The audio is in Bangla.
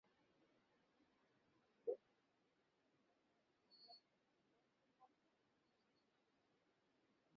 ইরাক, আফগানিস্তান, লিবিয়া আক্রমণের এবং প্যালেস্টাইন নিয়ে তাদের অসদুদ্দেশ্যও গোপন নেই।